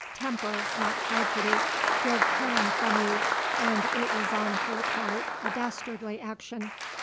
Temper, not tragedy, drove Karen from you and it was on her part a dastardly action.